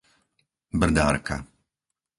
Brdárka